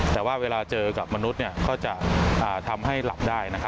แต่ว่าเวลาเจอกับมนุษย์ก็จะทำให้หลับได้